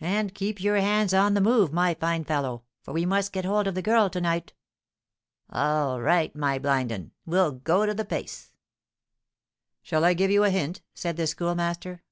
"And keep your pads on the move, my fine fellow; for we must get hold of the girl to night." "All right, my blind un; we'll go the pace." "Shall I give you a hint?" said the Schoolmaster.